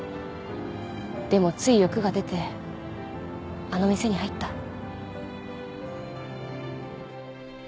でもつい欲が出てあの店に入った。